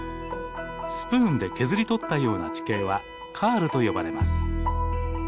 スプーンで削り取ったような地形はカールと呼ばれます。